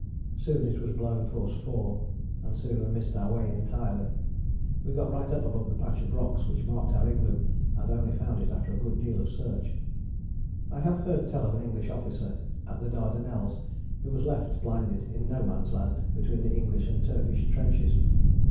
Soon it was blowing force 4, and soon we missed our way entirely. We got right up above the patch of rocks which marked our igloo and only found it after a good deal of search. I have heard tell of an English officer at the Dardanelles who was left, blinded, in No Man's Land between the English and Turkish trenches.